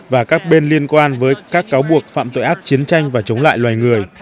và các bên liên quan với các cáo buộc phạm tội ác chiến tranh và chống lại loài người